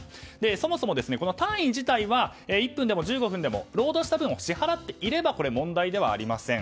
そもそも単位自体は１分でも１５分でも労働した分を支払っていれば問題ではありません。